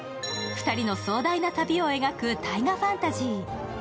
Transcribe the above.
２人の壮大な旅を描く大河ファンタジー。